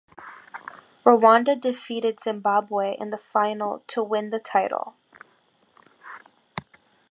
Rwanda defeated Zimbabwe in the final to win the title.